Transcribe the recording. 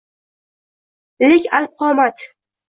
Lek alpqomat